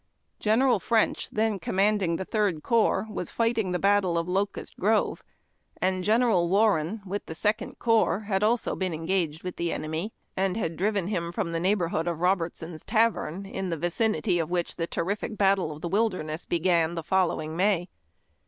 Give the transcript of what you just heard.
General French, then commanding the Third Corps, was fighting the battle of Locust Grove, and General Warren, with the Second Corps, had also been engaged with the eneni}^, and had driven him from the neighborhood of Robertson's Tavern, in the vicinity of which the terrific Battle of the Wilderness began the following May.